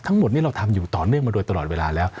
ทั้งหมดนี้เราทำอยู่ต่อเนื่องมาโดยตลอดเวลาแล้ว